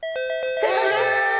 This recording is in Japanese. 正解です。